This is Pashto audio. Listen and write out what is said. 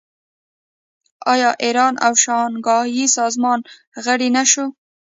آیا ایران د شانګهای سازمان غړی نه شو؟